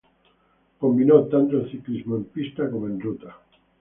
Combinó tanto el ciclismo en pista como el ruta.